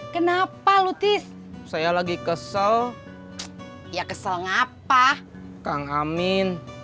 kenapa lutis saya lagi kesel ya kesel ngapa kang amin